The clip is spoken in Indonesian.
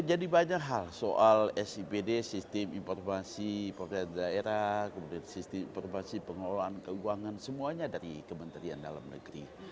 jadi banyak hal soal sipd sistem informasi pemerintahan daerah kemudian sistem informasi pengelolaan keuangan semuanya dari kementerian dalam negeri